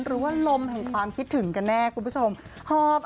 หรือว่าลมของความคิดถึงกันแน่คุณผู้ชม